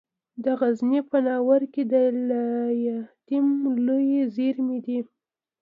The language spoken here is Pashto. د غزني په ناوور کې د لیتیم لویې زیرمې دي.